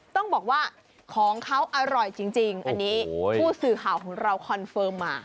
ต้องบอกว่าของเขาอร่อยจริงอันนี้ผู้สื่อข่าวของเราคอนเฟิร์มมา